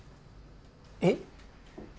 えっ？